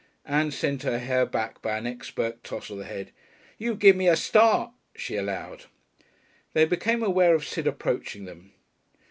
Ann sent her hair back by an expert toss of the head. "You give me a start," she allowed. They became aware of Sid approaching them.